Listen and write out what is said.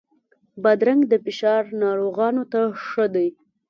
بادرنګ د فشار ناروغانو ته ښه دی.